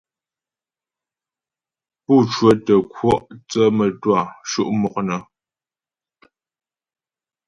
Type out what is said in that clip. Pú cwə́tə kwɔ' thə́ mə́twâ sho' mɔk nə.